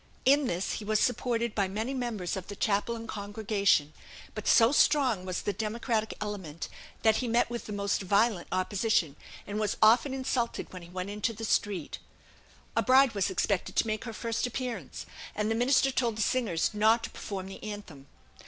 In this he was supported by many members of the chapel and congregation; but so strong was the democratic element, that he met with the most violent opposition, and was often insulted when he went into the street. A bride was expected to make her first appearance, and the minister told the singers not to perform the anthem.